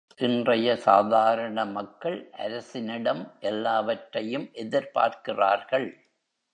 இன்றைய சாதாரண மக்கள் அரசினிடம் எல்லாவற்றையும் எதிர்பார்க்கிறார்கள்.